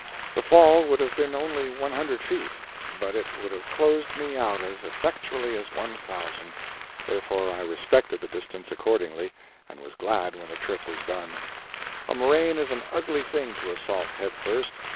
The fall would have been only one hundred feet, but it would have closed me out as effectually as one thousand, therefore I respected the distance accordingly, and was glad when the trip was done. A moraine is an ugly thing to assault head first.